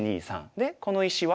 でこの石は？